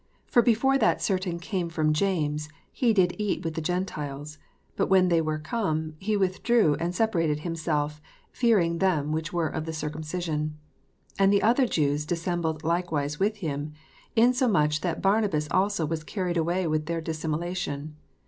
"For before that certain came from James, he did eat with the Gentiles : but ivhen they were come, he withdrew and separated himself, fearing them which were of the circumcision. "And the other Jews dissembled likewise with him; insomuch that Barnabas also was carried away with their dissimulation.